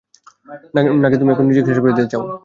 নাকি তুমি এখনই নিজেকে শেষ করে দিতে চাও?